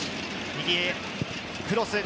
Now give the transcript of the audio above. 右へクロス。